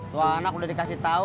tuh anak udah dikasih tahu